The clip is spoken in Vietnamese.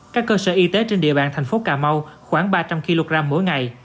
các cơ sở y tế trên địa bàn thành phố cà mau khoảng ba trăm linh kg mỗi ngày